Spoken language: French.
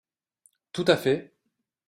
Tout à fait